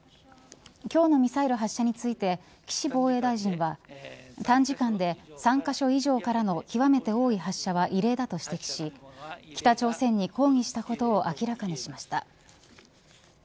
今日のミサイル発射について岸防衛大臣は短時間で３カ所以上からの極めて多い発射は異例だと指摘し北朝鮮に抗議したことを明らかにしました。